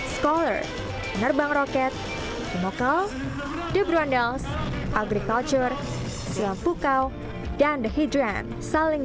scholar menerbang roket kemokal the brunels agriculture silam pukau dan dehidran saling